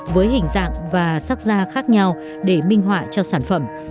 với hình dạng và sắc da khác nhau để minh họa cho sản phẩm